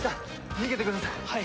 逃げてください！